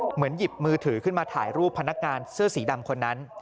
หยิบมือถือขึ้นมาถ่ายรูปพนักงานเสื้อสีดำคนนั้น